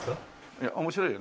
いや面白いよね。